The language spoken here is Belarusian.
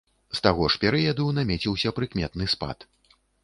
З таго ж перыяду намеціўся прыкметны спад.